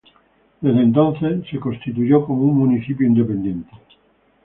Desde entonces se constituyó como un municipio independiente.